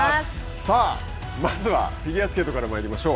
さあ、まずはフィギュアスケートからまいりましょう。